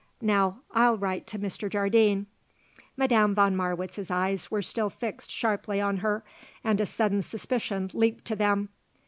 Now I'll write to Mr. Jardine." Madame von Marwitz's eyes were still fixed sharply on her and a sudden suspicion leapt to them.